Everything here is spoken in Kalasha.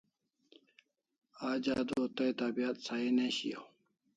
Aj adua tai tabiat Sahi ne shiau